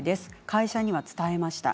会社には伝えました。